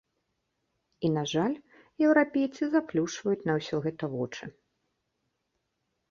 І, на жаль, еўрапейцы заплюшчваюць на ўсё гэта вочы.